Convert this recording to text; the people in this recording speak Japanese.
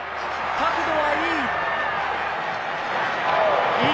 角度はいい。